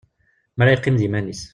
Mi ara yeqqim d yiman-is.